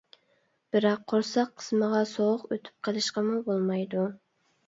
بىراق قورساق قىسمىغا سوغۇق ئۆتۈپ قېلىشقىمۇ بولمايدۇ.